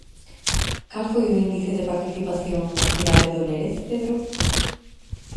Cal foi o índice de participación na cidade do Lérez, Pedro?